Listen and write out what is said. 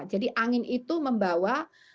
jadi angin itu membawa